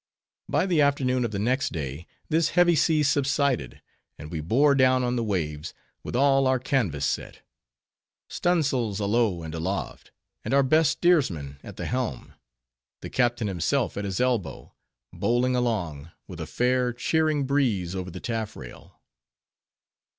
By the afternoon of the next day this heavy sea subsided; and we bore down on the waves, with all our canvas set; stun' sails alow and aloft; and our best steersman at the helm; the captain himself at his elbow;—bowling along, with a fair, cheering breeze over the taffrail.